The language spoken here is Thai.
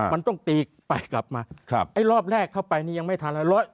มันต้องตีไปกลับมาไอ้รอบแรกเข้าไปนี่ยังไม่ทันแล้ว